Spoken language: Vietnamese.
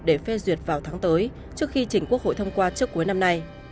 để phê duyệt vào tháng tới trước khi chỉnh quốc hội thông qua trước cuối năm nay